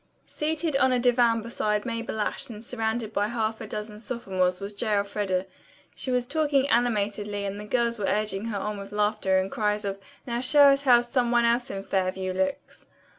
Seated on a divan beside Mabel Ashe and surrounded by half a dozen sophomores was J. Elfreda. She was talking animatedly and the girls were urging her on with laughter and cries of "Now show us how some one else in Fairview looks."